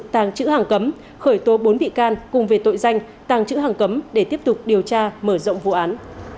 tàng chữ hàng cấm khởi tố bốn bị can cùng về tội danh tàng chữ hàng cấm để tiếp tục điều tra mở rộng vụ án